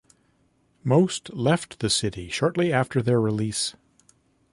Most left the city shortly after their release.